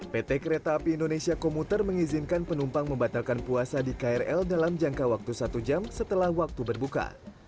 pt kereta api indonesia komuter mengizinkan penumpang membatalkan puasa di krl dalam jangka waktu satu jam setelah waktu berbuka